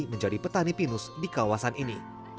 menjadi petani pinus di kawasan ini